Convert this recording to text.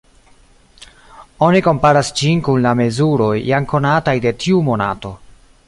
Oni komparas ĝin kun la mezuroj jam konataj de tiu monato.